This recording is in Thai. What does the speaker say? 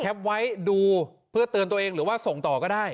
แคปไว้ก็ได้นะใช่แคปไว้ดูเพื่อเตือนตัวเองหรือว่าส่งต่อก็ได้